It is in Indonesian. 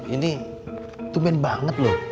ini tumben banget loh